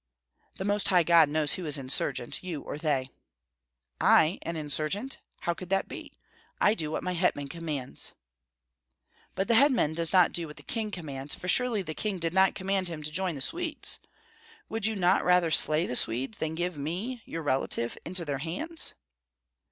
"The Most High God knows who is insurgent, you or they." "I an insurgent? How could that be? I do what my hetman commands." "But the hetman does not do what the king commands, for surely the king did not command him to join the Swedes. Would you not rather slay the Swedes than give me, your relative, into their hands?"